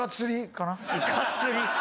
イカ釣り？